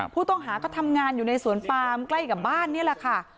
ผู้ต้องหาก็ทำงานอยู่ในสวนปามใกล้กับบ้านนี่แหละค่ะ